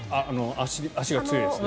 足が強いやつね。